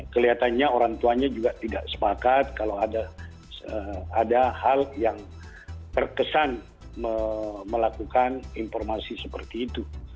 kelihatannya orang tuanya juga tidak sepakat kalau ada hal yang terkesan melakukan informasi seperti itu